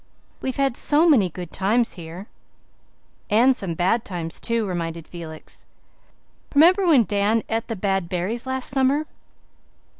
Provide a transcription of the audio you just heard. We've had so many good times here." "And some bad times, too," reminded Felix. "Remember when Dan et the bad berries last summer?"